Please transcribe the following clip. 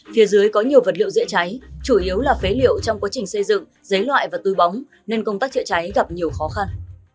phía dưới có nhiều vật liệu dễ cháy chủ yếu là phế liệu trong quá trình xây dựng giấy loại và tui bóng nên công tác chữa cháy gặp nhiều khó khăn